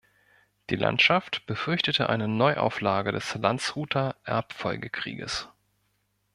Die Landschaft befürchtete eine Neuauflage des Landshuter Erbfolgekrieges.